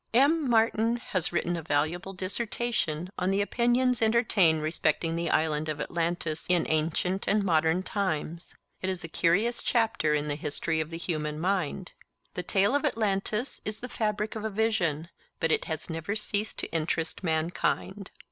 M. Martin has written a valuable dissertation on the opinions entertained respecting the Island of Atlantis in ancient and modern times. It is a curious chapter in the history of the human mind. The tale of Atlantis is the fabric of a vision, but it has never ceased to interest mankind.